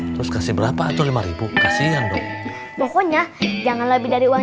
terus kasih berapa atau lima ribu kasihan dong pokoknya jangan lebih dari uang